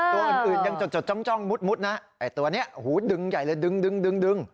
ตัวอื่นอื่นยังจดจดจ้องจ้องมุดมุดนะไอ้ตัวเนี้ยหูดึงใหญ่เลยดึงดึงดึงดึง